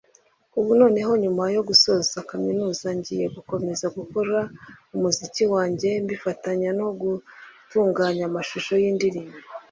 ubu noneho nyuma yo gusoza kaminuza ngiye gukomeza gukora umuziki wanjye mbifatanya no gutunganya amashusho y’indirimbo